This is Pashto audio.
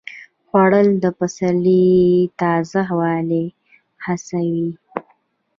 خوړل د پسرلي تازه والی حسوي